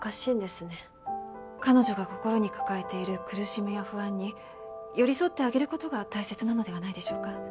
彼女が心に抱えている苦しみや不安に寄り添ってあげる事が大切なのではないでしょうか。